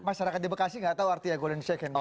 masyarakat di bekasi gak tau artinya golden shake hand